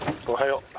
おはよう。